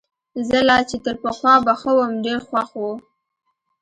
زه لا چي تر پخوا به ښه وم، ډېر خوښ وو.